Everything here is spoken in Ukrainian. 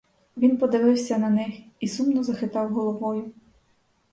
Він подивився на них і сумно захитав головою.